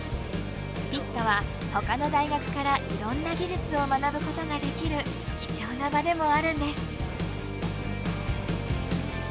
ピットは他の大学からいろんな技術を学ぶことができる貴重な場でもあるんです。